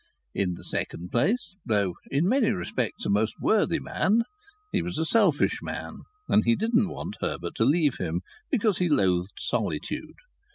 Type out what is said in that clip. In the second place, though in many respects a most worthy man, he was a selfish man, and he didn't want Herbert to leave him, because he loathed solitude.